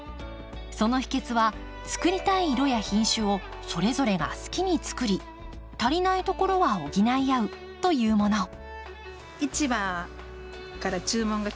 その秘けつはつくりたい色や品種をそれぞれが好きにつくり足りないところは補い合うというもの。